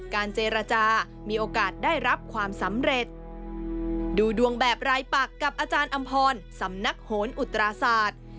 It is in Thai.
เจรจามีโอกาสได้รับความสำเร็จดูดวงแบบรายปักกับอาจารย์อำพรสำนักโหนอุตราศาสตร์